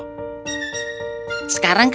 sekarang kekhawatiran kita